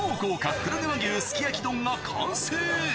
黒毛和牛すき焼き丼が完成。